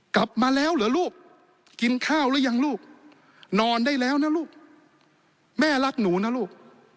กลับมาแล้วเหรอลูกกินข้าวหรือยังลูกนอนได้แล้วนะลูกแม่รักหนูนะลูก